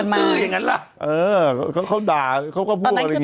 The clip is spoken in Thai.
ซื้ออย่างนั้นล่ะเออเขาด่าเขาก็พูดอะไรอย่างนี้